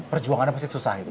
perjuangan pasti susah itu